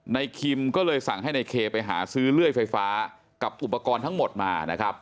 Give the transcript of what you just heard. คิมก็เลยสั่งให้ในเคไปหาซื้อเลื่อยไฟฟ้ากับอุปกรณ์ทั้งหมดมานะครับ